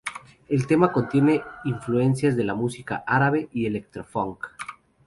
El tema contiene influencias de música árabe y electro-"funk".